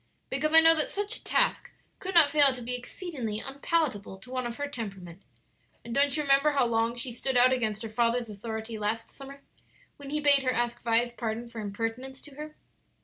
"Because I know that such a task could not fail to be exceedingly unpalatable to one of her temperament; and don't you remember how long she stood out against her father's authority last summer when he bade her ask Vi's pardon for impertinence to her?"